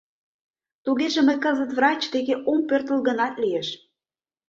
— Тугеже мый кызыт врач деке ом пӧртыл гынат лиеш.